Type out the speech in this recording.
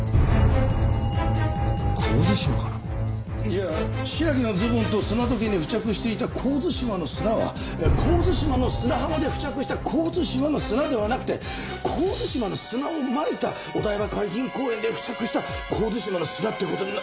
じゃあ白木のズボンと砂時計に付着していた神津島の砂は神津島の砂浜で付着した神津島の砂ではなくて神津島の砂をまいたお台場海浜公園で付着した神津島の砂って事に。